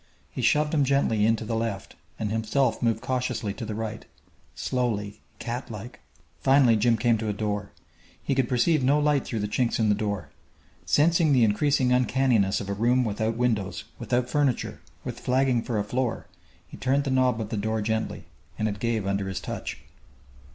He shoved him gently in to the left and himself moved cautiously to the right, slowly, catlike. Finally, Jim came to a door. He could perceive no light through the chinks in the door. Sensing the increasing uncanniness of a room without windows, without furniture, with flagging for a floor, he turned the knob of the door gently, and it gave under his touch.